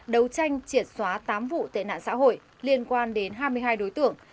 đấu tranh triệt xóa tám vụ tên nạn xã hội liên quan đến hai mươi hai đối tượng